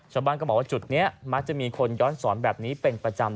ชาวบ้านก็บอกว่าจุดนี้มักจะมีคนย้อนสอนแบบนี้เป็นประจำ